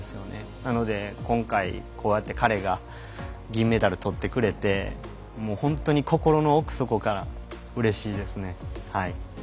なので、今回、こうやって彼が銀メダルを取ってくれて本当に心の奥底がうれしいですね。